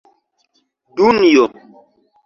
Dunjo!